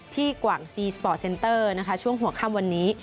กว่างซีสปอร์ตเซนเตอร์ช่วงหัวค่ำวันนี้